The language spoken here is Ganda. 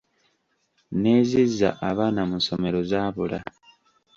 N’ezizza abaana mu ssomero zaabula.